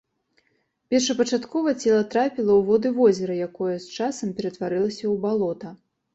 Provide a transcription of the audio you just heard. Першапачаткова цела трапіла ў воды возера, якое з часам ператварылася ў балота.